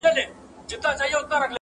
په ژبه خپل په هدیره او په وطن به خپل وي،